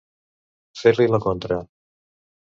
Fer-li la contra.